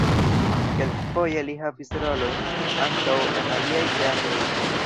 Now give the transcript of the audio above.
Kelkfoje li havis rolojn ankaŭ en aliaj teatroj.